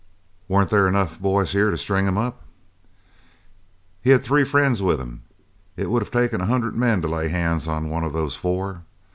"Weren't there enough boys here to string him up?" "He had three friends with him. It would of taken a hundred men to lay hands on one of those four.